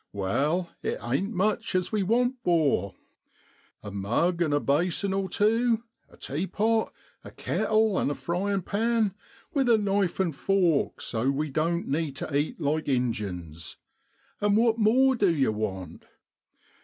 Wai, it ain't much as we want, 'bor a mug an' a basin or tew, a teapot, a kettle, and a frying pan, with a knife an' a fork, so we doan't need to eat like Injuns an' what more du yer want